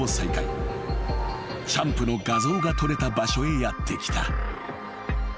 ［チャンプの画像が取れた場所へやって来た］